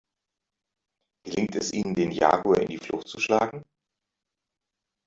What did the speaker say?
Gelingt es ihnen, den Jaguar in die Flucht zu schlagen?